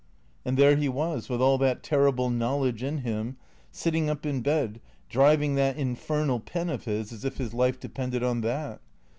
And there he was, with all that terrible knowledge in him, sitting up in bed, driving that infernal pen of his as if his life depended on that.